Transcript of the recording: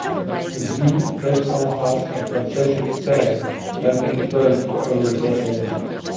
The zoo, reptile house, and concession stand have been closed for over a decade.